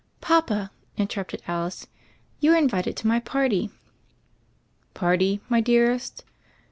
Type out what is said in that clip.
"Papa," interrupted Alice, "you are invited to my party." "Party, my dearest?"